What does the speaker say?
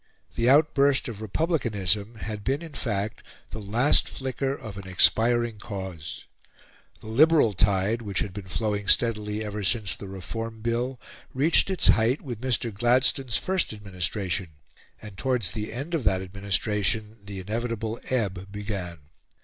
The outburst of republicanism had been in fact the last flicker of an expiring cause. The liberal tide, which had been flowing steadily ever since the Reform Bill, reached its height with Mr. Gladstone's first administration; and towards the end of that administration the inevitable ebb began.